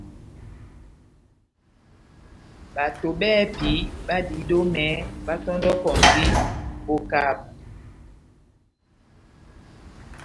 Bato bɛ́hɛ́pi badiyidi omɛ batɔndɔkɔndi mbóka yabu.